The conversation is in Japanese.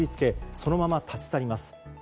そのまま立ち去ります。